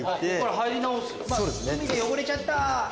海で汚れちゃった。